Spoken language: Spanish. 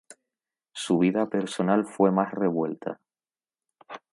Su vida personal fue más revuelta.